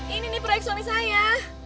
ini nih proyek suami saya